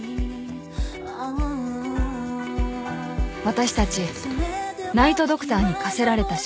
［私たちナイト・ドクターに課せられた使命］